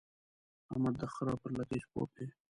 احمد د خره پر لکۍ سپور دی.